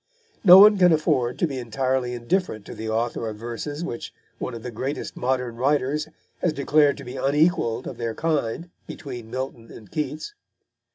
No one can afford to be entirely indifferent to the author of verses which one of the greatest of modern writers has declared to be unequalled of their kind between Milton and Keats.